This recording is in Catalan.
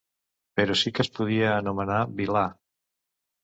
Però sí que es podria anomenar vil·là.